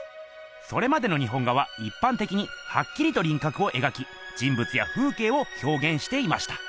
それまでの日本画はいっぱんてきにはっきりとりんかくを描き人ぶつや風けいをひょうげんしていました。